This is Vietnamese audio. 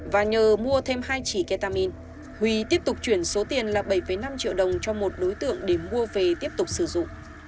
và nhờ mua thêm hai chỉ ketamin huy tiếp tục chuyển số tiền là bảy năm triệu đồng cho một đối tượng để mua về tiếp tục sử dụng